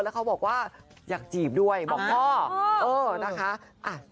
เค้าบอกว่าอยากจีบด้วยบอกพ่อ